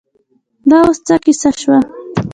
دا اوس څه کیسه شوه.